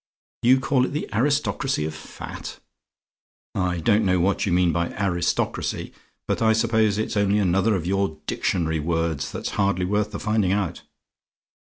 "YOU CALL IT THE ARISTOCRACY OF FAT? "I don't know what you mean by 'aristocracy'; but I suppose it's only another of your dictionary words, that's hardly worth the finding out.